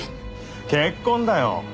結婚だよ！